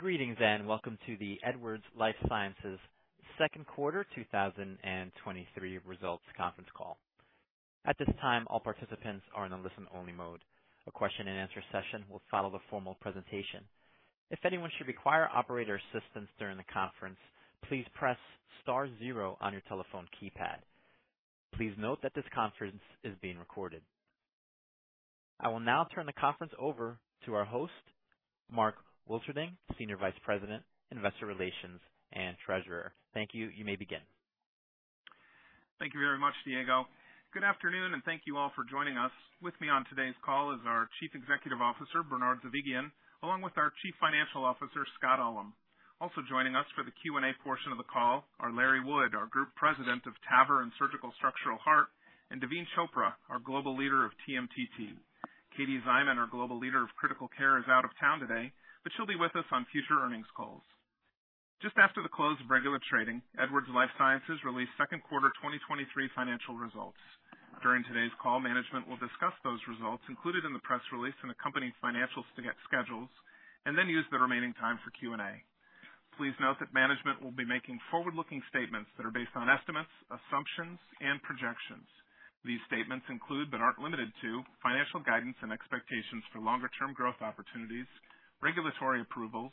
Greetings, welcome to the Edwards Lifesciences Second Quarter 2023 Results Conference Call. At this time, all participants are in a listen-only mode. A question and answer session will follow the formal presentation. If anyone should require operator assistance during the conference, please press star zero on your telephone keypad. Please note that this conference is being recorded. I will now turn the conference over to our host, Mark Wilterding, Senior Vice President, Investor Relations and Treasurer. Thank you. You may begin. Thank you very much, Diego. Good afternoon, and thank you all for joining us. With me on today's call is our Chief Executive Officer, Bernard Zovighian, along with our Chief Financial Officer, Scott Ullem. Also joining us for the Q&A portion of the call are Larry Wood, our Group President of TAVR and Surgical Structural Heart, and Daveen Chopra, our Global Leader of TMTT. Katie Szyman, our Global Leader of Critical Care, is out of town today, but she'll be with us on future earnings calls. Just after the close of regular trading, Edwards Lifesciences released second quarter 2023 financial results. During today's call, management will discuss those results included in the press release and accompanying financials to get schedules, and then use the remaining time for Q&A. Please note that management will be making forward-looking statements that are based on estimates, assumptions, and projections. These statements include, but aren't limited to, financial guidance and expectations for longer-term growth opportunities, regulatory approvals,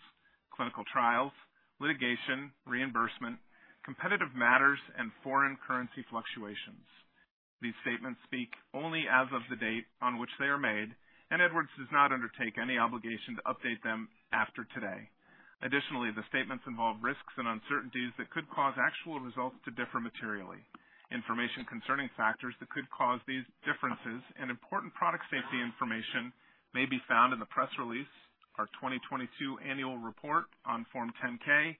clinical trials, litigation, reimbursement, competitive matters, and foreign currency fluctuations. These statements speak only as of the date on which they are made, Edwards does not undertake any obligation to update them after today. Additionally, the statements involve risks and uncertainties that could cause actual results to differ materially. Information concerning factors that could cause these differences and important product safety information may be found in the press release, our 2022 annual report on Form 10-K,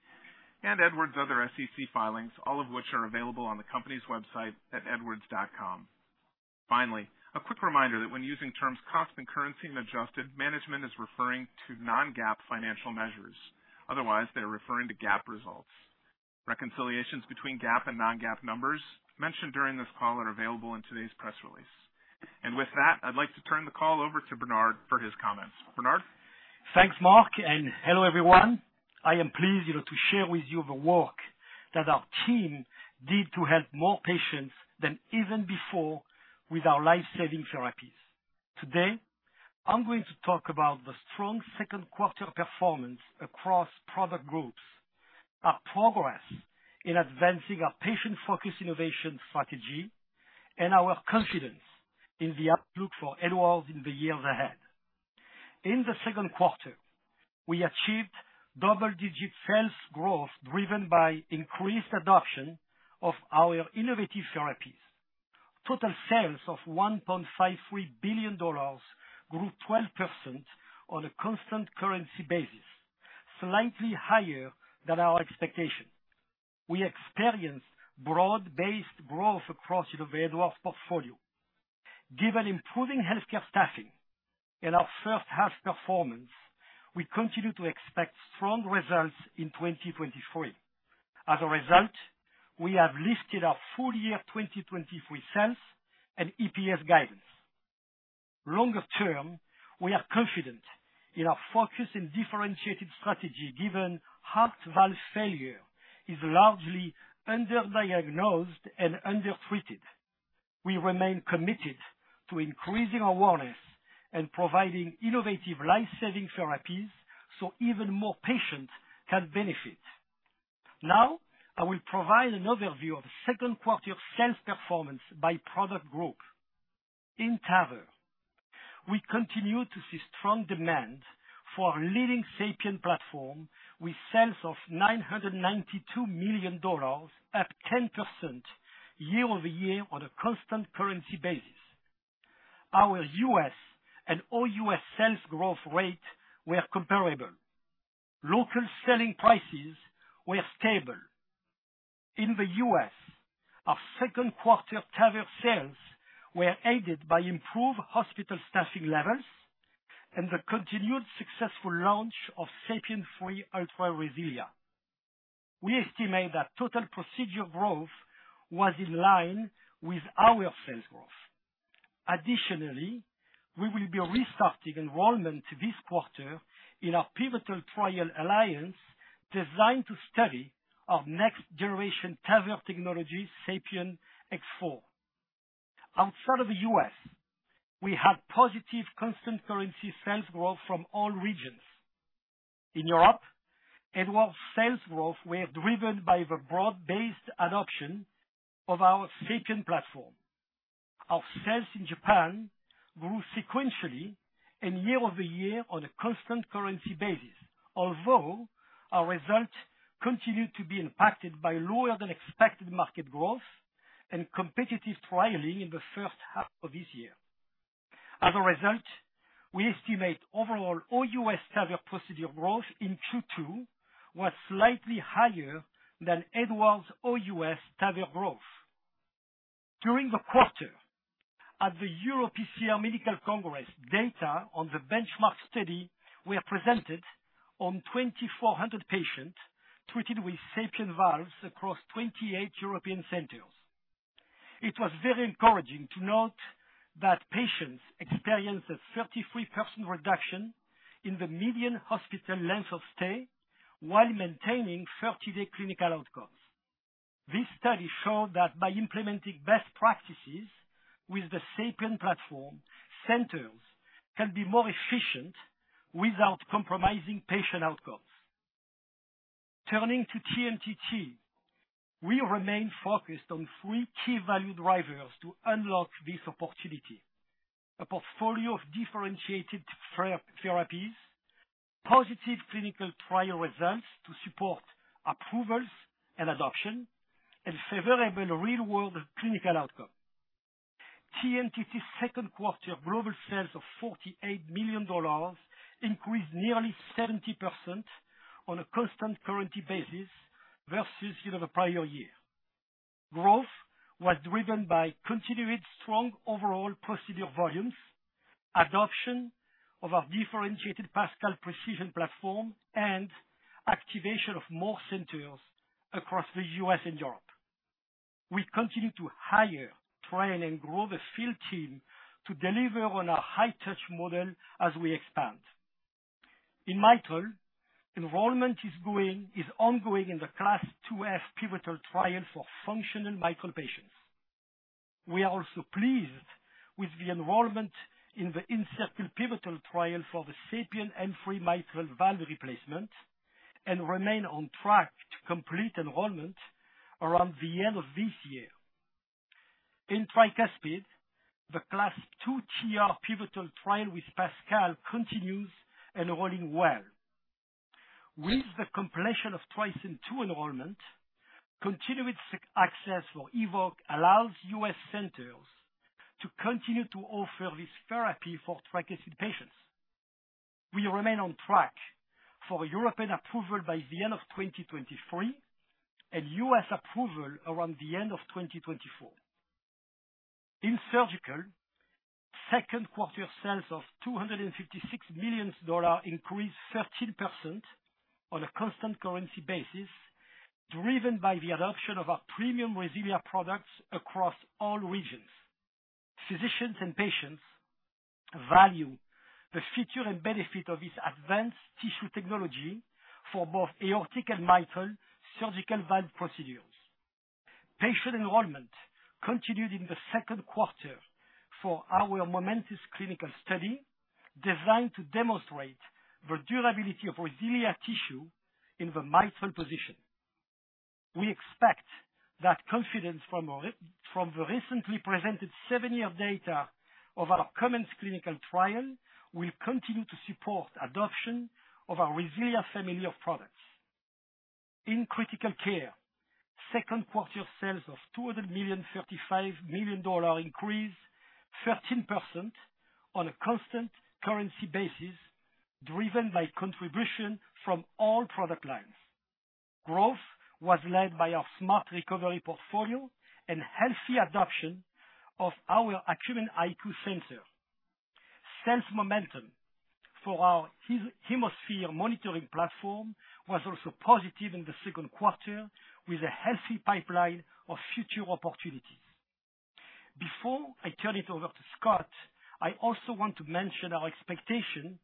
and Edwards' other SEC filings, all of which are available on the company's website at edwards.com. Finally, a quick reminder that when using terms constant currency and adjusted, management is referring to non-GAAP financial measures. Otherwise, they're referring to GAAP results. Reconciliations between GAAP and non-GAAP numbers mentioned during this call are available in today's press release. With that, I'd like to turn the call over to Bernard for his comments. Bernard? Thanks, Mark. Hello, everyone. I am pleased, you know, to share with you the work that our team did to help more patients than even before with our life-saving therapies. Today, I'm going to talk about the strong second quarter performance across product groups, our progress in advancing our patient-focused innovation strategy, and our confidence in the outlook for Edwards in the years ahead. In the second quarter, we achieved double-digit sales growth, driven by increased adoption of our innovative therapies. Total sales of $1.53 billion grew 12% on a constant currency basis, slightly higher than our expectation. We experienced broad-based growth across the Edwards portfolio. Given improving healthcare staffing and our first half performance, we continue to expect strong results in 2023. As a result, we have lifted our full year 2023 sales and EPS guidance. Longer term, we are confident in our focus and differentiated strategy, given heart valve failure is largely underdiagnosed and undertreated. We remain committed to increasing awareness and providing innovative life-saving therapies so even more patients can benefit. I will provide an overview of the second quarter sales performance by product group. In TAVR, we continue to see strong demand for our leading SAPIEN platform, with sales of $992 million, up 10% year-over-year on a constant currency basis. Our U.S. and sales growth rate were comparable. Local selling prices were stable. In the U.S., our second quarter TAVR sales were aided by improved hospital staffing levels and the continued successful launch of SAPIEN 3 Ultra RESILIA. We estimate that total procedure growth was in line with our sales growth. Additionally, we will be restarting enrollment this quarter in our pivotal trial ALLIANCE designed to study our next generation TAVR Technology, SAPIEN X4. Outside of the U.S., we had positive constant currency sales growth from all regions. In Europe, Edwards sales growth were driven by the broad-based adoption of our SAPIEN platform. Our sales in grew sequentially and year-over-year on a constant currency basis, although our results continued to be impacted by lower than expected market growth and competitive trialing in the first half of this year. As a result, we estimate overall OUS TAVR procedure growth in Q2 was slightly higher than Edwards' OUS TAVR growth. During the quarter, at the EuroPCR Medical Congress, data on the Benchmark study were presented on 2,400 patients treated with SAPIEN valves across 28 European centers. It was very encouraging to note that patients experienced a 33% reduction in the median hospital length of stay, while maintaining 30-day clinical outcomes. This study showed that by implementing best practices with the SAPIEN platform, centers can be more efficient without compromising patient outcomes. Turning to TMTT, we remain focused on three key value drivers to unlock this opportunity: a portfolio of differentiated therapies, positive clinical trial results to support approvals and adoption, and favorable real-world clinical outcome. TMTT's second quarter global sales of $48 million increased nearly 70% on a constant currency basis versus, you know, the prior year. Growth was driven by continued strong overall procedure volumes, adoption of our differentiated PASCAL Precision platform, and activation of more centers across the U.S. and Europe. We continue to hire, train, and grow the field team to deliver on our high-touch model as we expand. In mitral, enrollment is ongoing in the CLASP IIF pivotal trial for functional mitral patients. We are also pleased with the enrollment in the INCEPTOR pivotal trial for the SAPIEN M3 mitral valve replacement, and remain on track to complete enrollment around the end of this year. In tricuspid, the CLASP II TR pivotal trial with PASCAL continues and running well. With the completion of TRISCEND II enrollment, continued access for EVOQUE allows U.S. centers to continue to offer this therapy for tricuspid patients. We remain on track for European approval by the end of 2023, and U.S. approval around the end of 2024. In surgical, second quarter sales of $256 million increased 13% on a constant currency basis, driven by the adoption of our premium RESILIA products across all regions. Physicians and patients value the feature and benefit of this advanced tissue technology for both aortic and mitral surgical valve procedures. Patient enrollment continued in the second quarter for our MOMENTIS clinical study, designed to demonstrate the durability of RESILIA tissue in the mitral position. We expect that confidence from the recently presented seven-year data of our COMMENCE clinical trial, will continue to support adoption of our RESILIA family of products. In critical care, second quarter sales of $200 million-$35 million dollar increase 13% on a constant currency basis, driven by contribution from all product lines. Growth was led by our Smart Recovery portfolio and healthy adoption of our Acumen IQ sensor. Sales momentum for our HemoSphere monitoring platform was also positive in the second quarter, with a healthy pipeline of future opportunities. Before I turn it over to Scott, I also want to mention our expectation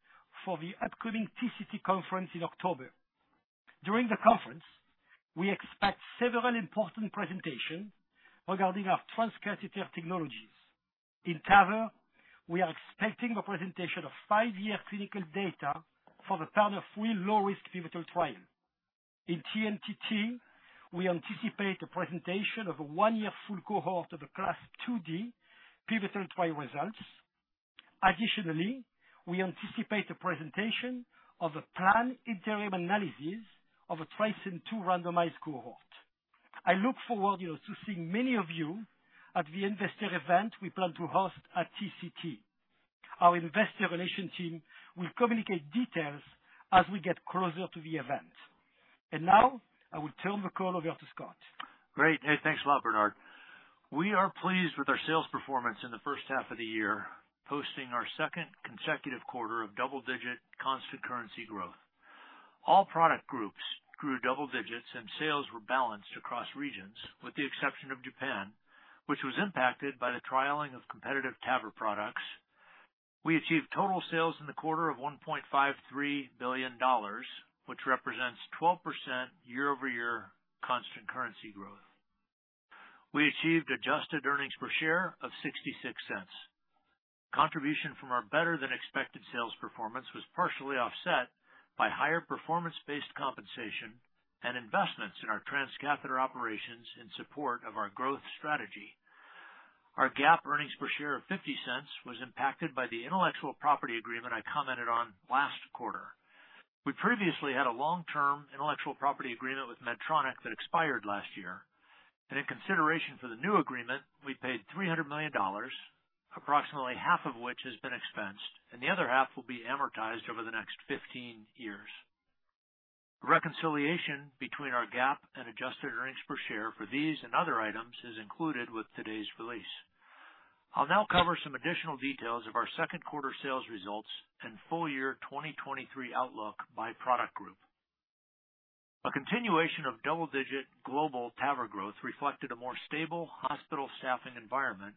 for the upcoming TCT conference in October. During the conference, we expect several important presentations regarding our transcatheter technologies. In TAVR, we are expecting a presentation of five-year clinical data for the TAVR free low-risk pivotal trial. In TMTT, we anticipate a presentation of a one-year full cohort of the CLASP IID pivotal trial results. Additionally, we anticipate a presentation of a planned interim analysis of a TRISCEND II randomized cohort. I look forward, you know, to seeing many of you at the investor event we plan to host at TCT. Our investor relation team will communicate details as we get closer to the event. Now, I will turn the call over to Scott. Great. Hey, thanks a lot, Bernard. We are pleased with our sales performance in the first half of the year, posting our second consecutive quarter of double-digit constant currency growth. All product groups grew double digits. Sales were balanced across regions, with the exception of Japan, which was impacted by the trialing of competitive TAVR products. We achieved total sales in the quarter of $1.53 billion, which represents 12% year-over-year constant currency growth. We achieved adjusted earnings per share of $0.66. Contribution from our better-than-expected sales performance was partially offset by higher performance-based compensation and investments in our transcatheter operations in support of our growth strategy. Our GAAP earnings per share of $0.50 was impacted by the intellectual property agreement I commented on last quarter. We previously had a long-term intellectual property agreement with Medtronic that expired last year. In consideration for the new agreement, we paid $300 million, approximately half of which has been expensed, and the other half will be amortized over the next 15 years. Reconciliation between our GAAP and adjusted earnings per share for these and other items is included with today's release. I'll now cover some additional details of our second quarter sales results and full year 2023 outlook by product group. A continuation of double-digit global TAVR growth reflected a more stable hospital staffing environment,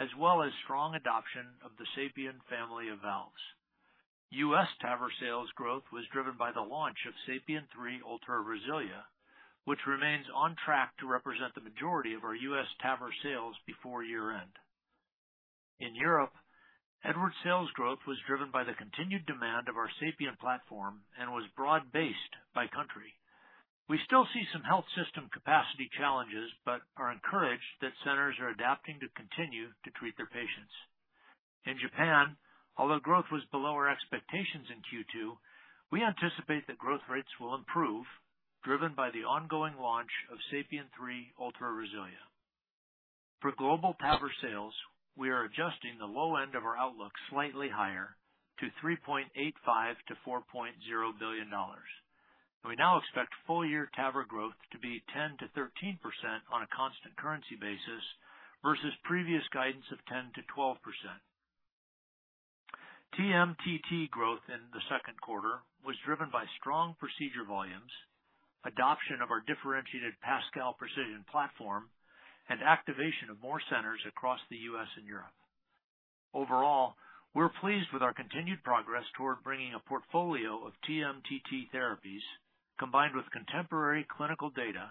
as well as strong adoption of the SAPIEN family of valves. US TAVR sales growth was driven by the launch of SAPIEN 3 Ultra RESILIA, which remains on track to represent the majority of our US TAVR sales before year-end. In Europe, Edwards sales growth was driven by the continued demand of our SAPIEN platform and was broad-based by country. We still see some health system capacity challenges, but are encouraged that centers are adapting to continue to treat their patients. In Japan, although growth was below our expectations in Q2, we anticipate that growth rates will improve, driven by the ongoing launch of SAPIEN 3 Ultra RESILIA. For global TAVR sales, we are adjusting the low end of our outlook slightly higher to $3.85 billion-$4.0 billion. We now expect full-year TAVR growth to be 10%-13% on a constant currency basis versus previous guidance of 10%-12%. TMTT growth in the second quarter was driven by strong procedure volumes, adoption of our differentiated PASCAL Precision platform, and activation of more centers across the U.S. and Europe. Overall, we're pleased with our continued progress toward bringing a portfolio of TMTT therapies, combined with contemporary clinical data,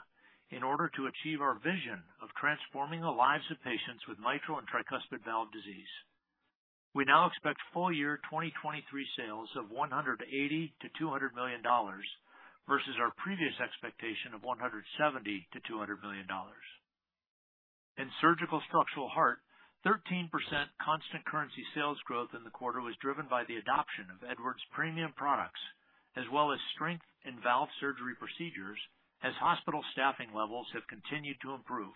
in order to achieve our vision of transforming the lives of patients with mitral and tricuspid valve disease. We now expect full-year 2023 sales of $180 million-$200 million versus our previous expectation of $170 million-$200 million. In surgical structural heart, 13% constant currency sales growth in the quarter was driven by the adoption of Edwards' premium products, as well as strength in valve surgery procedures as hospital staffing levels have continued to improve.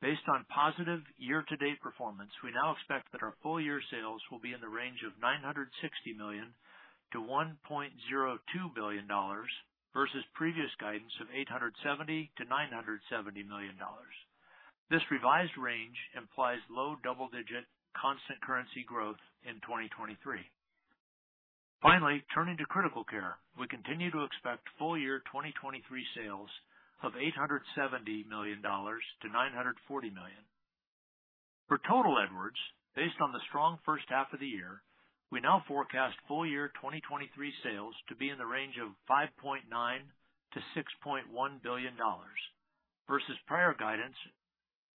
Based on positive year-to-date performance, we now expect that our full-year sales will be in the range of $960 million-$1.02 billion, versus previous guidance of $870 million-$970 million. This revised range implies low double-digit constant currency growth in 2023. Finally, turning to Critical Care. We continue to expect full-year 2023 sales of $870 million-$940 million. For total Edwards, based on the strong first half of the year, we now forecast full-year 2023 sales to be in the range of $5.9 billion-$6.1 billion versus prior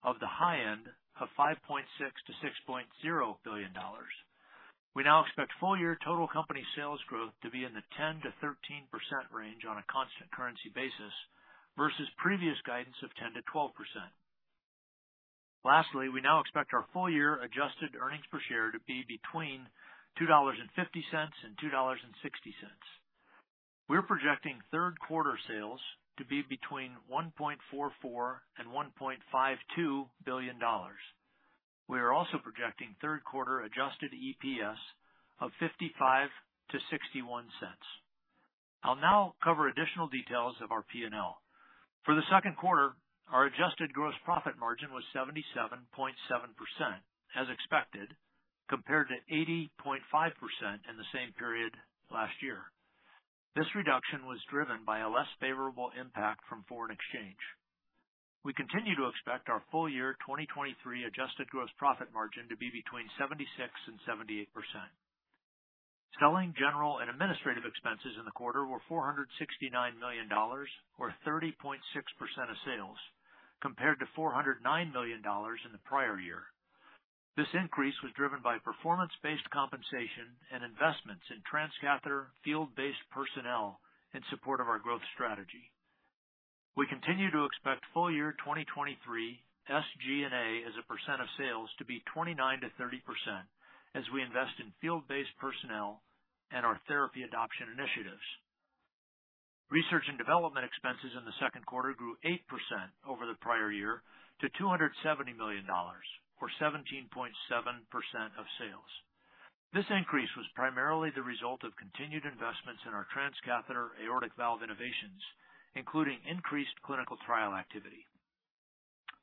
guidance of the high end of $5.6 billion-$6.0 billion. We now expect full-year total company sales growth to be in the 10%-13% range on a constant currency basis versus previous guidance of 10%-12%. Lastly, we now expect our full-year adjusted earnings per share to be between $2.50 and $2.60. We're projecting third quarter sales to be between $1.44 billion-$1.52 billion. We are also projecting third quarter adjusted EPS of $0.55-$0.61. I'll now cover additional details of our P&L. For the second quarter, our adjusted gross profit margin was 77.7% as expected, compared to 80.5% in the same period last year. This reduction was driven by a less favorable impact from foreign exchange. We continue to expect our full-year 2023 adjusted gross profit margin to be between 76%-78%. Selling, general, and administrative expenses in the quarter were $469 million, or 30.6% of sales, compared to $409 million in the prior year. This increase was driven by performance-based compensation and investments in transcatheter field-based personnel in support of our growth strategy. We continue to expect full-year 2023 SG&A as a percent of sales to be 29%-30%, as we invest in field-based personnel and our therapy adoption initiatives. Research and development expenses in the second quarter grew 8% over the prior year to $270 million, or 17.7% of sales. This increase was primarily the result of continued investments in our transcatheter aortic valve innovations, including increased clinical trial activity.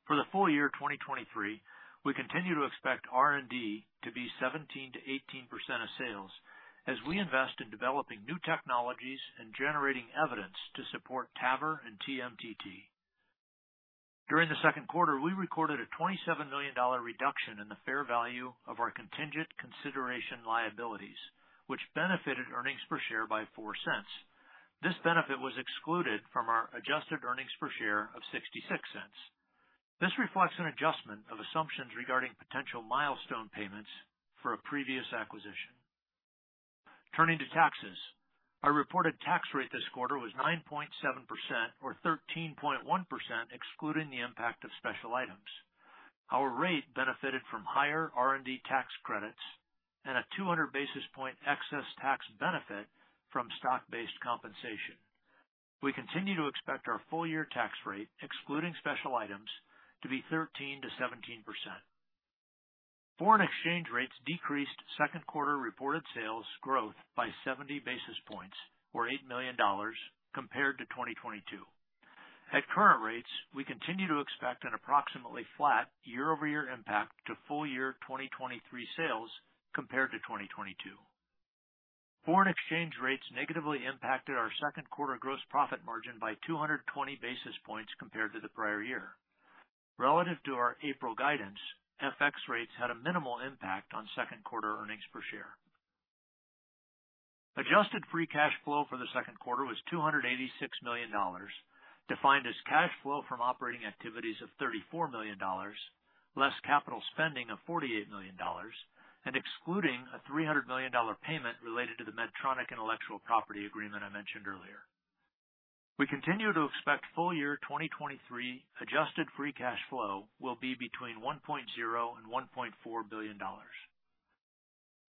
For the full year 2023, we continue to expect R&D to be 17%-18% of sales as we invest in developing new technologies and generating evidence to support TAVR and TMTT. During the second quarter, we recorded a $27 million reduction in the fair value of our contingent consideration liabilities, which benefited earnings per share by $0.04. This benefit was excluded from our adjusted earnings per share of $0.66. This reflects an adjustment of assumptions regarding potential milestone payments for a previous acquisition. Turning to taxes. Our reported tax rate this quarter was 9.7%, or 13.1%, excluding the impact of special items. Our rate benefited from higher R&D tax credits and a 200 basis point excess tax benefit from stock-based compensation. We continue to expect our full-year tax rate, excluding special items, to be 13%-17%. Foreign exchange rates decreased second quarter reported sales growth by 70 basis points, or $8 million, compared to 2022. At current rates, we continue to expect an approximately flat year-over-year impact to full year 2023 sales compared to 2022. Foreign exchange rates negatively impacted our second quarter gross profit margin by 220 basis points compared to the prior year. Relative to our April guidance, FX rates had a minimal impact on second quarter earnings per share. Adjusted free cash flow for the second quarter was $286 million, defined as cash flow from operating activities of $34 million, less capital spending of $48 million, and excluding a $300 million payment related to the Medtronic intellectual property agreement I mentioned earlier. We continue to expect full year 2023 adjusted free cash flow will be between $1.0 billion and $1.4 billion.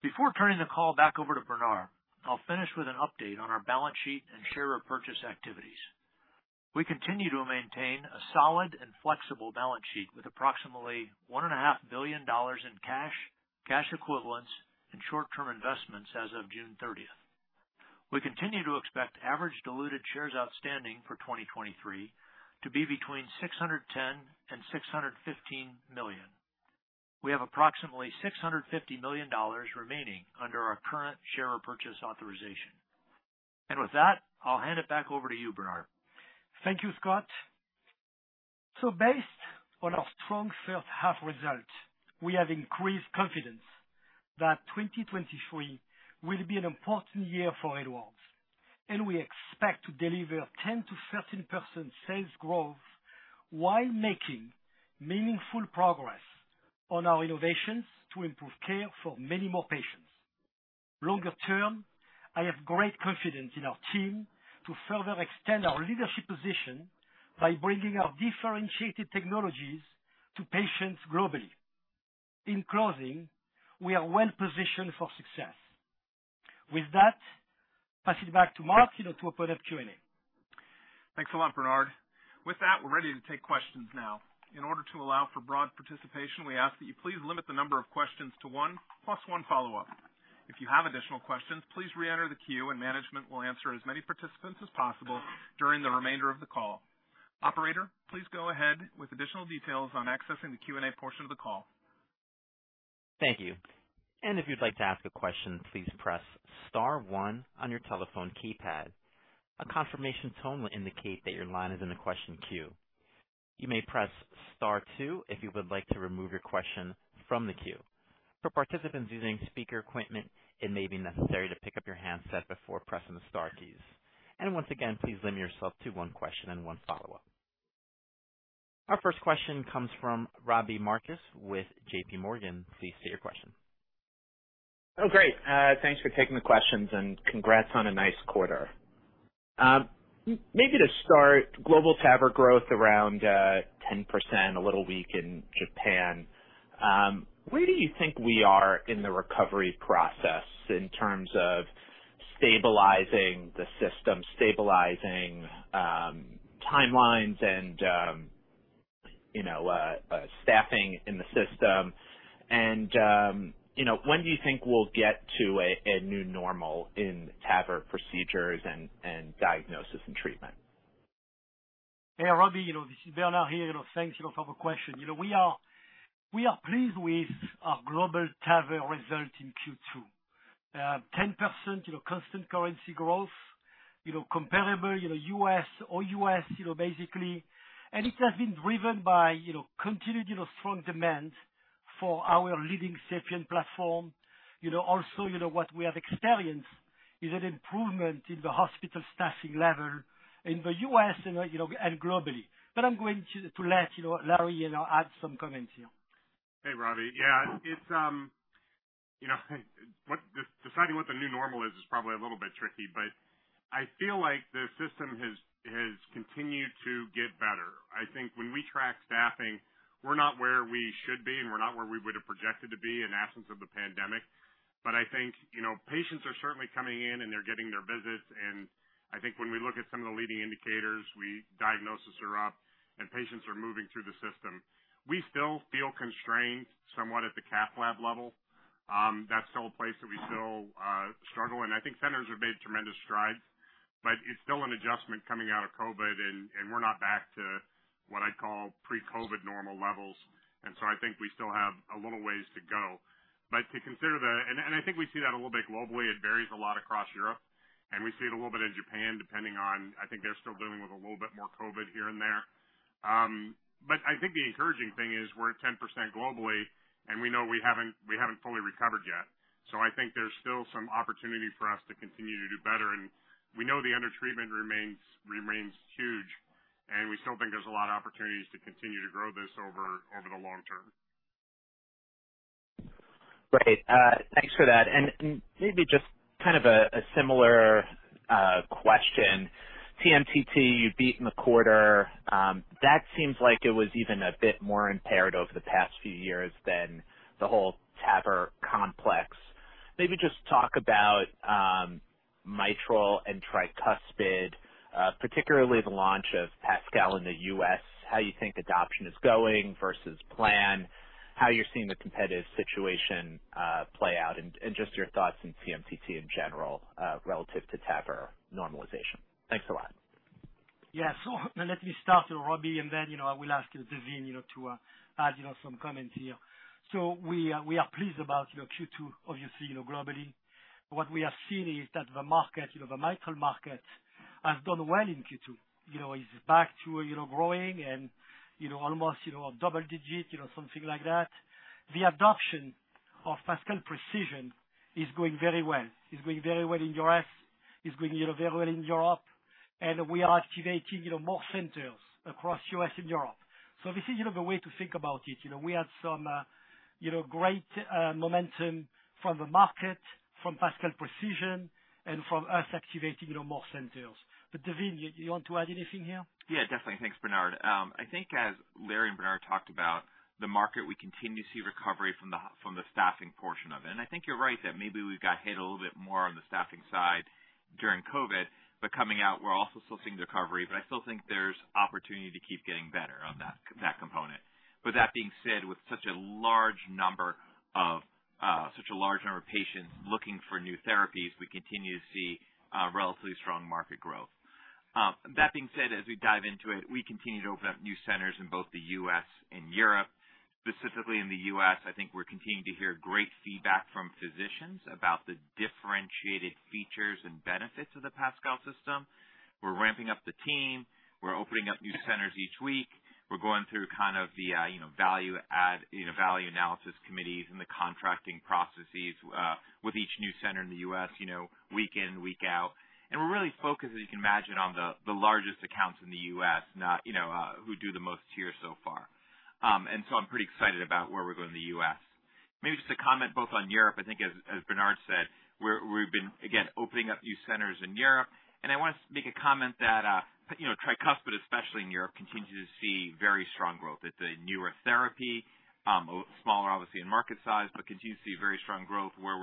Before turning the call back over to Bernard, I'll finish with an update on our balance sheet and share repurchase activities. We continue to maintain a solid and flexible balance sheet with approximately one and a half billion dollars in cash equivalents, and short-term investments as of June 30th. We continue to expect average diluted shares outstanding for 2023 to be between 610 million and 615 million. We have approximately $650 million remaining under our current share repurchase authorization. With that, I'll hand it back over to you, Bernard. Thank you, Scott. Based on our strong third half results, we have increased confidence that 2023 will be an important year for Edwards, and we expect to deliver 10%-13% sales growth while making meaningful progress on our innovations to improve care for many more patients. Longer term, I have great confidence in our team to further extend our leadership position by bringing our differentiated technologies to patients globally. In closing, we are well positioned for success. With that, pass it back to Mark, you know, to open up Q&A. Thanks a lot, Bernard. With that, we're ready to take questions now. In order to allow for broad participation, we ask that you please limit the number of questions to 1, plus 1 follow-up. If you have additional questions, please reenter the queue and management will answer as many participants as possible during the remainder of the call. Operator, please go ahead with additional details on accessing the Q&A portion of the call. Thank you. If you'd like to ask a question, please press star one on your telephone keypad. A confirmation tone will indicate that your line is in the question queue. You may press star two if you would like to remove your question from the queue. For participants using speaker equipment, it may be necessary to pick up your handset before pressing the star keys. Once again, please limit yourself to one question and one follow-up. Our first question comes from Robbie Marcus with J.P. Morgan. Please state your question. Great. Thanks for taking the questions, and congrats on a nice quarter. Maybe to start, global TAVR growth around 10%, a little weak in Japan. Where do you think we are in the recovery process in terms of stabilizing the system, stabilizing timelines and, you know, staffing in the system? You know, when do you think we'll get to a new normal in TAVR procedures and diagnosis and treatment? Hey, Robbie, you know, this is Bernard here. You know, thanks, you know, for the question. You know, we are pleased with our global TAVR result in Q2. 10%, you know, constant currency growth, you know, comparable, you know, U.S. or U.S., you know, basically, it has been driven by, you know, continued, you know, strong demand for our leading SAPIEN platform. You know, also, you know, what we have experienced is an improvement in the hospital staffing level in the U.S. and, you know, and globally. I'm going to let you know, Larry, you know, add some comments here. Hey, Robbie. Yeah, it's, you know, deciding what the new normal is probably a little bit tricky, but I feel like the system has continued to get better. I think when we track staffing, we're not where we should be, and we're not where we would have projected to be in absence of the pandemic. I think, you know, patients are certainly coming in, and they're getting their visits, and I think when we look at some of the leading indicators, diagnosis are up and patients are moving through the system. We still feel constrained somewhat at the cath lab level. That's still a place that we still struggle, I think centers have made tremendous strides, but it's still an adjustment coming out of COVID, and we're not back to what I'd call pre-COVID normal levels. I think we still have a little ways to go. I think we see that a little bit globally. It varies a lot across Europe, and we see it a little bit in Japan, depending on, I think they're still dealing with a little bit more COVID here and there. I think the encouraging thing is we're at 10% globally, and we know we haven't fully recovered yet. I think there's still some opportunity for us to continue to do better, and we know the undertreatment remains huge, and we still think there's a lot of opportunities to continue to grow this over the long term. Great. Thanks for that. Maybe just kind of a similar question? TMTT, you beat in the quarter. That seems like it was even a bit more impaired over the past few years than the whole TAVR complex. Maybe just talk about mitral and tricuspid, particularly the launch of PASCAL in the US, how you think adoption is going versus plan, how you're seeing the competitive situation play out, and just your thoughts on TMTT in general, relative to TAVR normalization? Thanks a lot. Yeah, let me start with Robbie, and then, you know, I will ask Daveen, you know, to add, you know, some comments here. We are pleased about, you know, Q2, obviously, you know, globally. What we have seen is that the market, you know, the mitral market, has done well in Q2. You know, it's back to, you know, growing and, you know, almost, you know, a double digit, you know, something like that. The adoption of PASCAL Precision is going very well. It's going very well in U.S., it's going, you know, very well in Europe, and we are activating, you know, more centers across U.S. and Europe. This is, you know, the way to think about it. You know, we had some, you know, great, momentum from the market, from PASCAL Precision, and from us activating, you know, more centers. Daveen, you want to add anything here? Yeah, definitely. Thanks, Bernard. I think as Larry and Bernard talked about the market, we continue to see recovery from the staffing portion of it. I think you're right, that maybe we've got hit a little bit more on the staffing side during COVID. Coming out, we're also still seeing recovery, but I still think there's opportunity to keep getting better on that component. That being said, with such a large number of patients looking for new therapies, we continue to see relatively strong market growth. That being said, as we dive into it, we continue to open up new centers in both the US and Europe. Specifically in the US, I think we're continuing to hear great feedback from physicians about the differentiated features and benefits of the PASCAL system. We're ramping up the team. We're opening up new centers each week. We're going through kind of the, you know, value add, you know, value analysis committees and the contracting processes, with each new center in the U.S., you know, week in, week out. We're really focused, as you can imagine, on the largest accounts in the U.S., not, you know, who do the most here so far. I'm pretty excited about where we're going in the U.S. Maybe just to comment both on Europe, I think as Bernard said, we've been, again, opening up new centers in Europe, and I want to make a comment that, you know, tricuspid, especially in Europe, continues to see very strong growth. It's a newer therapy, smaller obviously in market size, but continue to see very strong growth where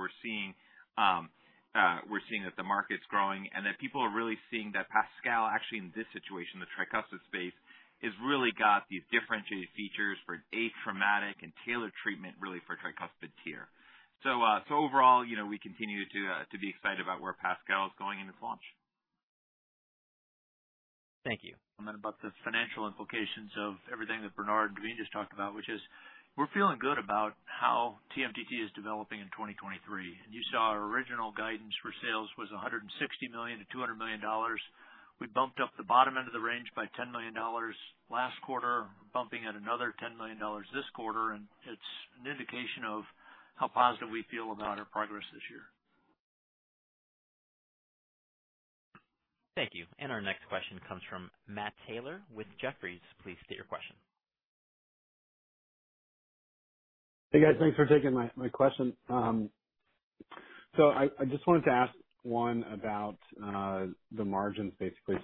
we're seeing that the market's growing and that people are really seeing that PASCAL actually in this situation, the tricuspid space, has really got these differentiated features for atrophic and tailored treatment, really, for tricuspid tier. overall, you know, we continue to be excited about where PASCAL is going in its launch. Thank you. Then about the financial implications of everything that Bernard and Daveen just talked about, which is we're feeling good about how TMTT is developing in 2023. You saw our original guidance for sales was $160 million - $200 million. We bumped up the bottom end of the range by $10 million last quarter, bumping out another $10 million this quarter, and it's an indication of how positive we feel about our progress this year. Thank you. Our next question comes from Matthew Taylor with Jefferies. Please state your question. Hey, guys. Thanks for taking my question. I just wanted to ask one about the margins, basically.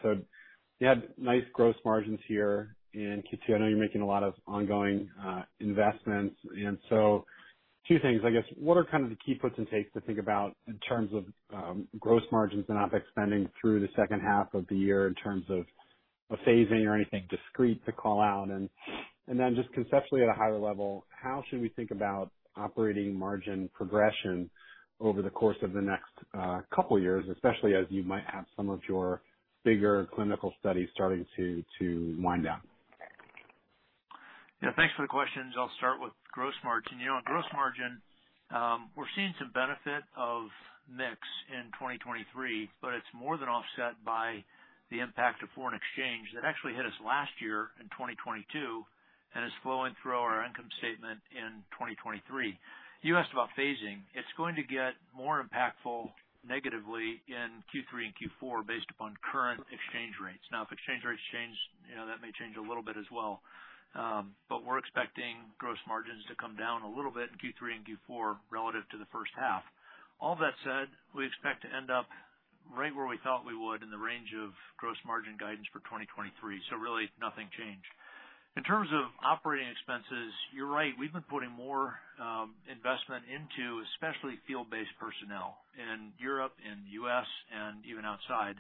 You had nice gross margins here in Q2. I know you're making a lot of ongoing investments, two things, I guess. What are kind of the key puts and takes to think about in terms of gross margins and OpEx spending through the second half of the year in terms of phasing or anything discrete to call out? Just conceptually, at a higher level, how should we think about operating margin progression over the course of the next couple years, especially as you might have some of your bigger clinical studies starting to wind down? Yeah, thanks for the questions. I'll start with gross margin. You know, on gross margin, we're seeing some benefit of mix in 2023, but it's more than offset by the impact of foreign exchange. That actually hit us last year in 2022, and it's flowing through our income statement in 2023. You asked about phasing. It's going to get more impactful negatively in Q3 and Q4, based upon current exchange rates. Now, if exchange rates change, you know, that may change a little bit as well. We're expecting gross margins to come down a little bit in Q3 and Q4 relative to the first half. All that said, we expect to end up right where we thought we would, in the range of gross margin guidance for 2023. Really nothing changed. In terms of operating expenses, you're right. We've been putting more investment into especially field-based personnel in Europe and U.S., and even outside,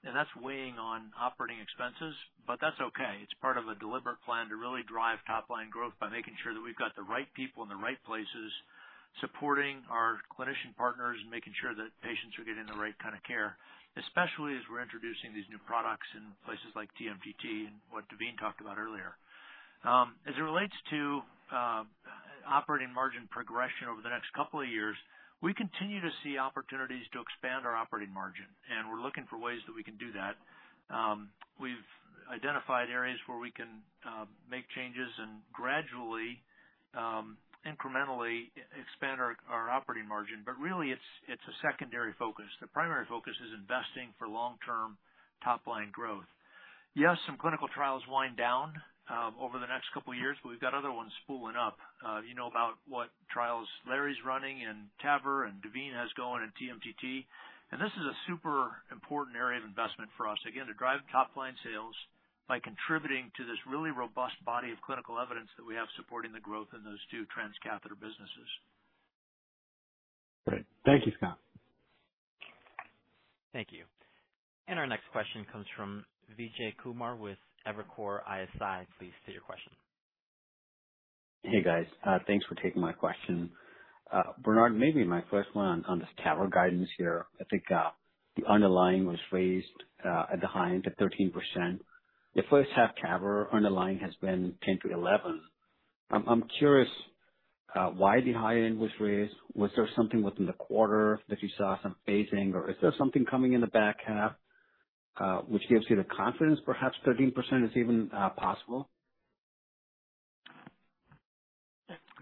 and that's weighing on operating expenses, but that's okay. It's part of a deliberate plan to really drive top-line growth by making sure that we've got the right people in the right places, supporting our clinician partners and making sure that patients are getting the right kind of care, especially as we're introducing these new products in places like TMTT and what Daveen talked about earlier. As it relates to operating margin progression over the next couple of years, we continue to see opportunities to expand our operating margin, and we're looking for ways that we can do that. We've identified areas where we can make changes and gradually incrementally expand our operating margin. Really, it's a secondary focus. The primary focus is investing for long-term top-line growth. Yes, some clinical trials wind down over the next couple of years, but we've got other ones spooling up. You know about what trials Larry's running in TAVR and Davin has going in TMTT, and this is a super important area of investment for us, again, to drive top-line sales by contributing to this really robust body of clinical evidence that we have supporting the growth in those two transcatheter businesses. Great. Thank you, Scott. Thank you. Our next question comes from Vijay Kumar with Evercore ISI. Please state your question. Hey, guys. Thanks for taking my question. Bernard, maybe my first one on this TAVR guidance here. I think, the underlying was raised at the high end to 13%. The first half TAVR underlying has been 10%-11%. I'm curious why the high end was raised. Was there something within the quarter that you saw some phasing, or is there something coming in the back half, which gives you the confidence perhaps 13% is even possible?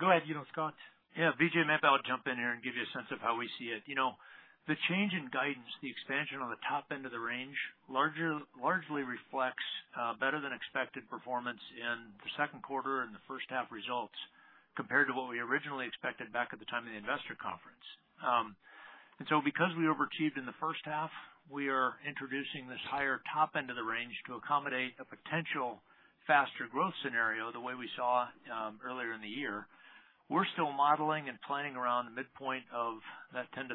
Go ahead, you know, Scott. Yeah, Vijay, maybe I'll jump in here and give you a sense of how we see it. You know, the change in guidance, the expansion on the top end of the range, largely reflects better than expected performance in the second quarter and the first half results, compared to what we originally expected back at the time of the investor conference. Because we overachieved in the first half, we are introducing this higher top end of the range to accommodate a potential faster growth scenario, the way we saw earlier in the year. We're still modeling and planning around the midpoint of that 10%-13%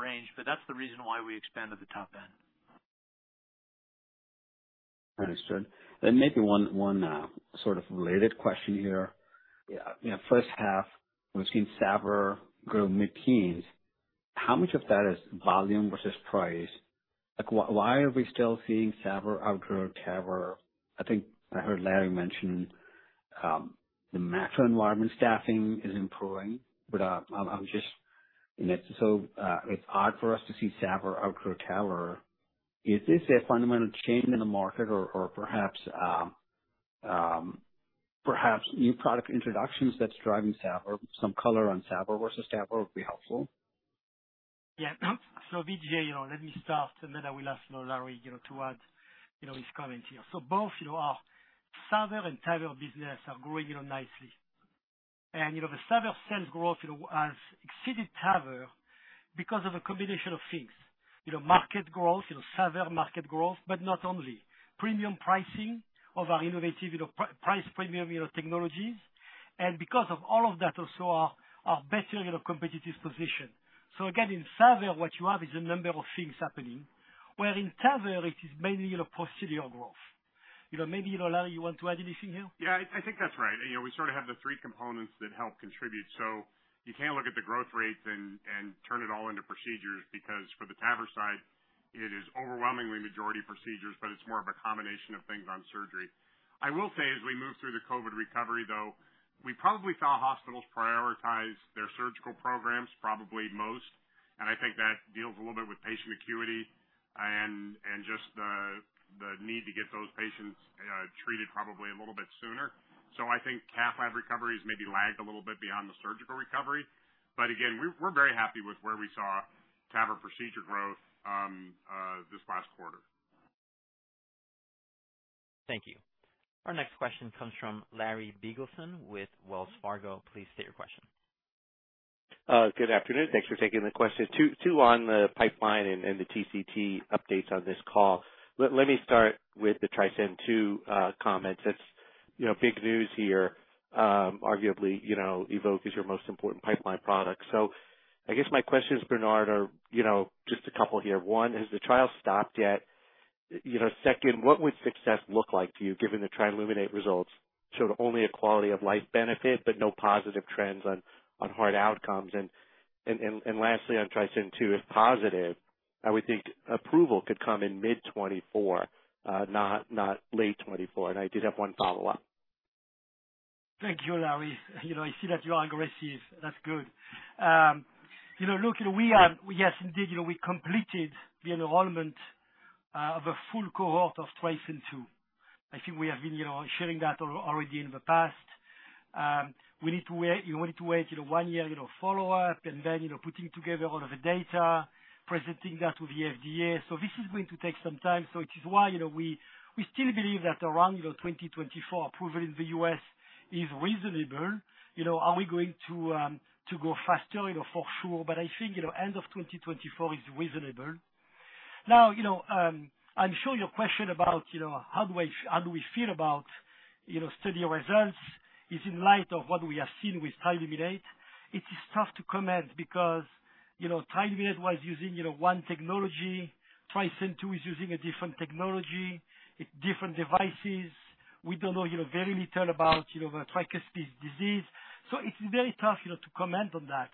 range, That's the reason why we expanded the top end. Understood. Maybe one sort of related question here. You know, first half, we've seen SAVR grow mid-teens. How much of that is volume versus price? Like, why are we still seeing SAVR outgrow TAVR? I think I heard Larry mention the macro environment staffing is improving, but I'm just, you know... It's odd for us to see SAVR outgrow TAVR. Is this a fundamental change in the market or perhaps new product introductions that's driving SAVR? Some color on SAVR versus TAVR would be helpful. Yeah. Vijay, you know, let me start, and then I will ask, you know, Larry, you know, to add, you know, his comment here. Both, you know, our SAVR and TAVR business are growing, you know, nicely. The SAVR sales growth, you know, has exceeded TAVR because of a combination of things. You know, market growth, you know, SAVR market growth, but not only. Premium pricing of our innovative, you know, price premium, you know, technologies, and because of all of that, also our better, you know, competitive position. Again, in SAVR, what you have is a number of things happening, where in TAVR it is mainly, you know, procedural growth. You know, maybe, you know, Larry, you want to add anything here? Yeah, I think that's right. You know, we sort of have the three components that help contribute. You can't look at the growth rates and turn it all into procedures, because for the TAVR side, it is overwhelmingly majority procedures, but it's more of a combination of things on surgery. As we move through the COVID recovery, though, we probably saw hospitals prioritize their surgical programs, probably most, and I think that deals a little bit with patient acuity and just the need to get those patients treated probably a little bit sooner. I think cath lab recoveries maybe lagged a little bit beyond the surgical recovery. Again, we're very happy with where we saw TAVR procedure growth this last quarter. Thank you. Our next question comes from Larry Biegelsen with Wells Fargo. Please state your question. Good afternoon. Thanks for taking the question. Two, two on the pipeline and the TCT updates on this call. Let me start with the TRISCEND II comments. That's, you know, big news here. Arguably, you know, EVOQUE is your most important pipeline product. I guess my questions, Bernard, are, you know, just a couple here. One, has the trial stopped yet? You know, second, what would success look like to you, given the TRILUMINATE results showed only a quality of life benefit, but no positive trends on hard outcomes? Lastly, on TRISCEND II, if positive, I would think approval could come in mid-2024, not late 2024. I did have one follow-up. Thank you, Larry. You know, I see that you are aggressive. That's good. You know, look, yes, indeed, you know, we completed the enrollment of a full cohort of TRISCEND II. I think we have been, you know, sharing that already in the past. We need to wait, you know, we need to wait, you know, one year, you know, follow-up, and then, you know, putting together all of the data, presenting that to the FDA. This is going to take some time, so which is why, you know, we still believe that around, you know, 2024, approval in the U.S. is reasonable. You know, are we going to go faster? You know, for sure, I think, you know, end of 2024 is reasonable. You know, I'm sure your question about, you know, how do we feel about, you know, study results, is in light of what we have seen with TRILUMINATE. It is tough to comment because, you know, TRILUMINATE was using, you know, one technology, TRISCEND II is using a different technology, different devices. We don't know, you know, very little about, you know, the tricuspid disease. It's very tough, you know, to comment on that.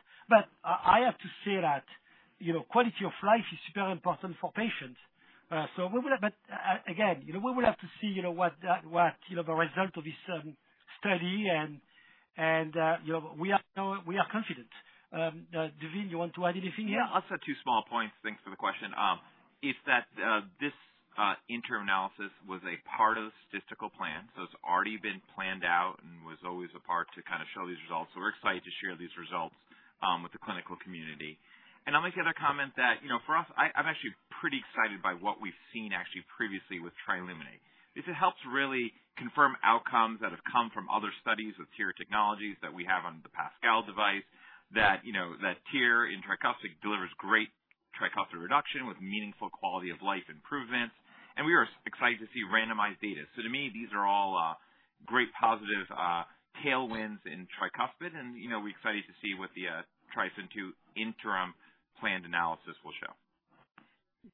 I have to say that, you know, quality of life is super important for patients. We will. Again, you know, we will have to see, you know, what, you know, the result of this study, and, you know, we are confident. Devin, you want to add anything here? Yeah, I'll say two small points. Thanks for the question. Is that this interim analysis was a part of statistical plan, so it's already been planned out and was always a part to kind of show these results. We're excited to share these results with the clinical community. I'll make another comment that, you know, for us, I'm actually pretty excited by what we've seen actually previously with TRILUMINATE. Is it helps really confirm outcomes that have come from other studies with TEER technologies that we have on the PASCAL device, that, you know, that TEER in tricuspid delivers great tricuspid reduction with meaningful quality of life improvements, and we are excited to see randomized data. To me, these are all great positive tailwinds in tricuspid, and, you know, we're excited to see what the TRISCEND II interim planned analysis will show.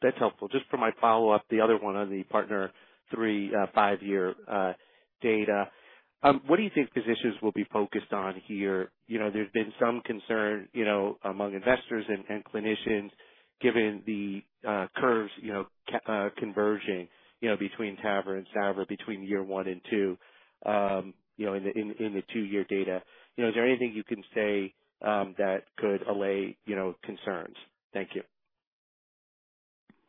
That's helpful. Just for my follow-up, the other one on the PARTNER 3, 5-year data, what do you think physicians will be focused on here? You know, there's been some concern, you know, among investors and clinicians, given the curves, you know, conversion, you know, between TAVR and SAVR between year 1 and 2, you know, in the 2-year data. You know, is there anything you can say, that could allay, you know, concerns? Thank you.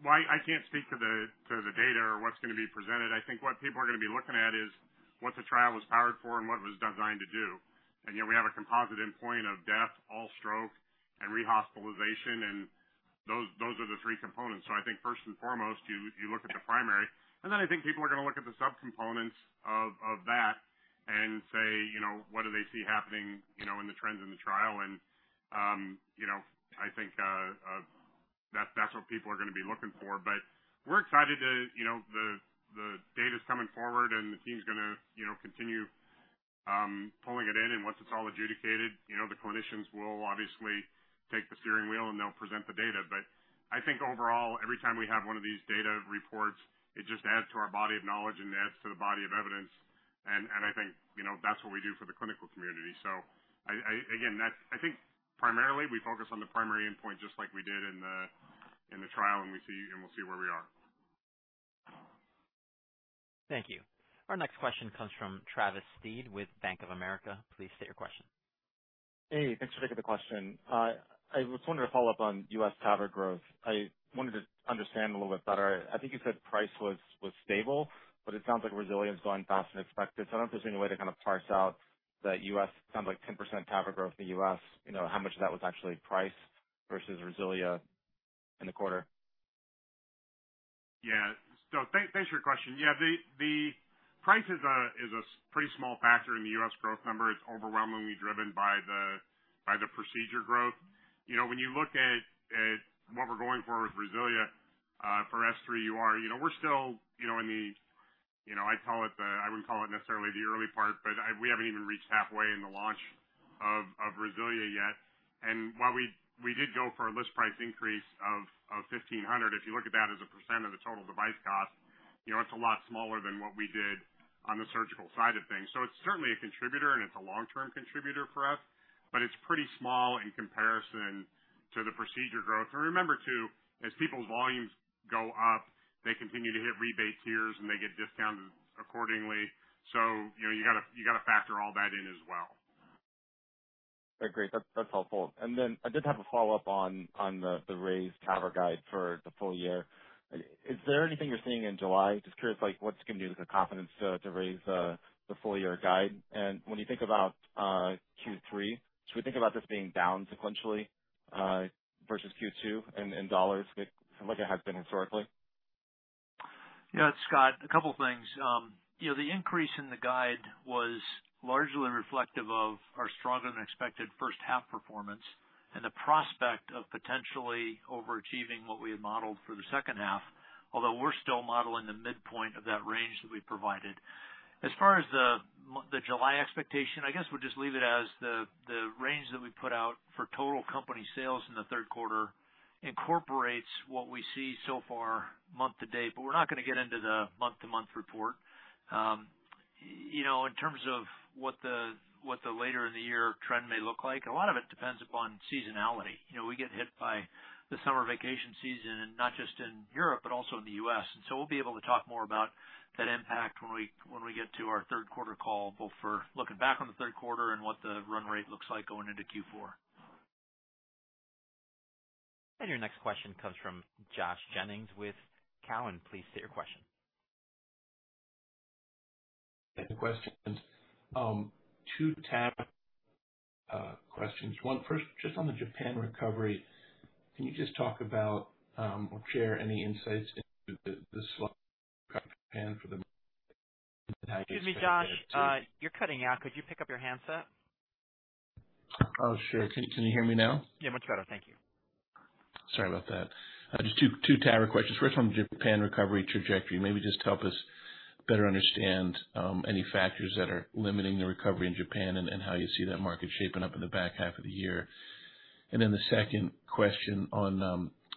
Well, I can't speak to the, to the data or what's gonna be presented. I think what people are gonna be looking at is what the trial was powered for and what it was designed to do. You know, we have a composite endpoint of death, all stroke, and rehospitalization, and those are the three components. I think first and foremost, you look at the primary, and then I think people are gonna look at the subcomponents of that and say, you know, what do they see happening, you know, in the trends in the trial? You know, I think that's what people are gonna be looking for. We're excited to, you know, the data's coming forward and the team's gonna, you know, continue pulling it in, and once it's all adjudicated, you know, the clinicians will obviously take the steering wheel, and they'll present the data. I think overall, every time we have one of these data reports, it just adds to our body of knowledge and adds to the body of evidence, and I think, you know, that's what we do for the clinical community. I, again, that's, I think, primarily, we focus on the primary endpoint, just like we did in the trial, and we'll see where we are. Thank you. Our next question comes from Travis Steed with Bank of America. Please state your question. Hey, thanks for taking the question. I was wondering to follow up on U.S. TAVR growth. I wanted to understand a little bit better. I think you said price was stable, but it sounds like RESILIA's going faster than expected. I don't know if there's any way to kind of parse out the U.S., sounds like 10% TAVR growth in the U.S., you know, how much of that was actually price versus RESILIA in the quarter? Yeah, thanks for your question. Yeah, the price is a pretty small factor in the U.S. growth number. It's overwhelmingly driven by the procedure growth. You know, when you look at what we're going for with RESILIA for S3 UR, you know, we're still, you know, in the, you know, I wouldn't call it necessarily the early part, but we haven't even reached halfway in the launch of RESILIA yet. While we did go for a list price increase of $1,500, if you look at that as a % of the total device cost, you know, it's a lot smaller than what we did on the surgical side of things. It's certainly a contributor, and it's a long-term contributor for us, but it's pretty small in comparison to the procedure growth. Remember, too, as people's volumes go up, they continue to hit rebate tiers, and they get discounted accordingly. You know, you gotta factor all that in as well. Great. That's helpful. Then I did have a follow-up on the raised TAVR guide for the full year. Is there anything you're seeing in July? Just curious, like, what's giving you the confidence to raise the full year guide? When you think about Q3, should we think about this being down sequentially versus Q2 in dollars, like it has been historically? Scott, a couple things. You know, the increase in the guide was largely reflective of our stronger than expected first half performance and the prospect of potentially overachieving what we had modeled for the second half, although we're still modeling the midpoint of that range that we provided. As far as the July expectation, I guess we'll just leave it as the range that we put out for total company sales in the third quarter incorporates what we see so far month to date, but we're not gonna get into the month-to-month report. You know, in terms of what the later in the year trend may look like, a lot of it depends upon seasonality. You know, we get hit by the summer vacation season, and not just in Europe, but also in the U.S. We'll be able to talk more about that impact when we get to our third quarter call, both for looking back on the third quarter and what the run rate looks like going into Q4. Your next question comes from Josh Jennings with Cowen. Please state your question. Questions. 2 TAVR questions. 1, first, just on the Japan recovery, can you just talk about, or share any insights into Japan? Excuse me, Josh, you're cutting out. Could you pick up your handset? Oh, sure. Can you hear me now? Yeah, much better. Thank you. Sorry about that. Just two TAVR questions. First, on Japan recovery trajectory, maybe just help us better understand any factors that are limiting the recovery in Japan and how you see that market shaping up in the back half of the year. Then the second question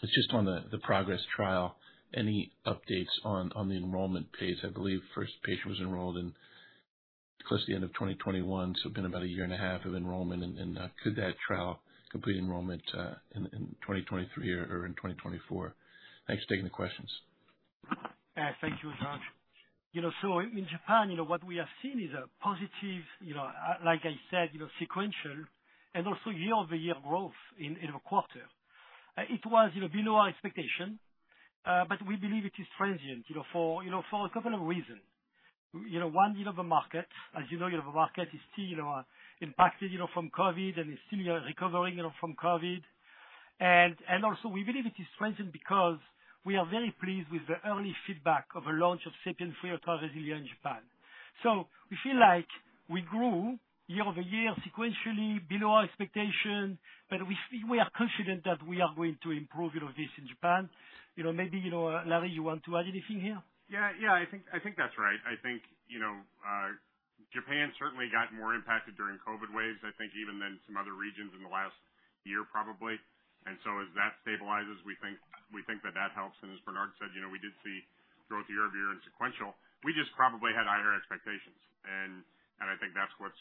is just on the PROGRESS trial. Any updates on the enrollment pace? I believe first patient was enrolled in close to the end of 2021, so been about a year and a half of enrollment, and could that trial complete enrollment in 2023 or in 2024? Thanks for taking the questions. Thank you, Josh. In Japan, what we have seen is a positive, like I said, sequential and also year-over-year growth in the quarter. It was below our expectation, we believe it is transient for a couple of reasons. One, the market, as you know, the market is still impacted from COVID and is still recovering from COVID. Also we believe it is transient because we are very pleased with the early feedback of the launch of SAPIEN 3 with RESILIA in Japan. We feel like we grew year-over-year sequentially below our expectation, but we feel we are confident that we are going to improve this in Japan. You know, maybe, you know, Larry, you want to add anything here? Yeah, I think that's right. I think, you know, Japan certainly got more impacted during COVID waves, I think even than some other regions in the last year, probably. As that stabilizes, we think that helps. As Bernard said, you know, we did see growth year-over-year and sequential. We just probably had higher expectations, and I think that's what's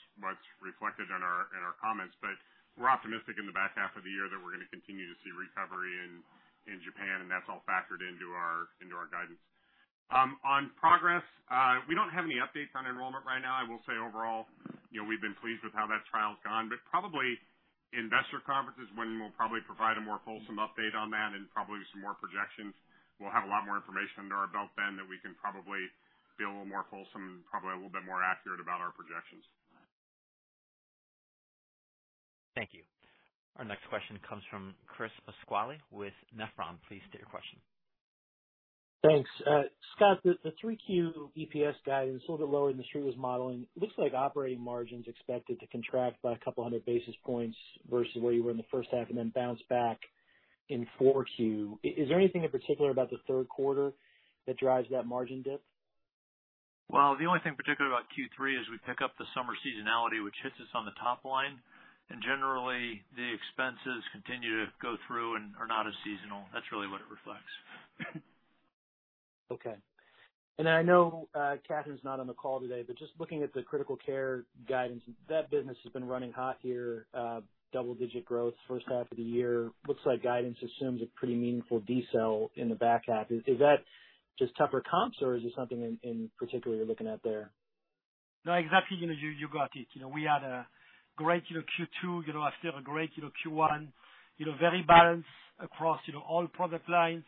reflected in our comments. We're optimistic in the back half of the year that we're going to continue to see recovery in Japan, and that's all factored into our guidance. On PROGRESS, we don't have any updates on enrollment right now. I will say overall, you know, we've been pleased with how that trial's gone, but probably investor conference is when we'll probably provide a more fulsome update on that and probably some more projections. We'll have a lot more information under our belt then, that we can probably be a little more fulsome and probably a little bit more accurate about our projections. Thank you. Our next question comes from Chris Pasquale with Nephron. Please state your question. Thanks. Scott, the 3Q EPS guidance is a little bit lower than the street was modeling. It looks like operating margin's expected to contract by a couple hundred basis points versus where you were in the first half and then bounce back in 4Q. Is there anything in particular about the third quarter that drives that margin dip? Well, the only thing particular about Q3 is we pick up the summer seasonality, which hits us on the top line, and generally, the expenses continue to go through and are not as seasonal. That's really what it reflects. Okay. I know Catherine's not on the call today, but just looking at the critical care guidance, that business has been running hot here, double-digit growth first half of the year. Looks like guidance assumes a pretty meaningful decel in the back half. Is that just tougher comps, or is there something in particular you're looking at there? No, exactly. You know, you got it. You know, we had a great, you know, Q2, you know, after a great, you know, Q1, you know, very balanced across, you know, all product lines.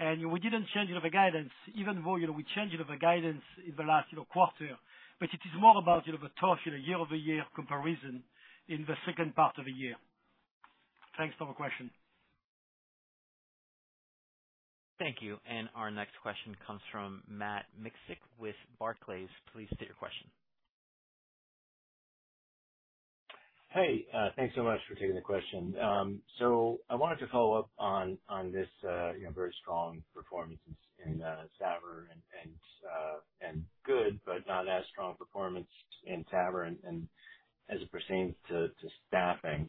We didn't change, you know, the guidance, even though, you know, we changed it of the guidance in the last, you know, quarter. It is more about, you know, the tough, you know, year-over-year comparison in the second part of the year. Thanks for the question. Thank you. Our next question comes from Matt Miksic with Barclays. Please state your question. Thanks so much for taking the question. I wanted to follow up on this, you know, very strong performance in TAVR and good, but not as strong performance in TAVR and as it pertains to staffing.